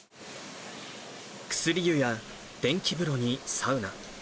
薬湯や電気風呂にサウナ。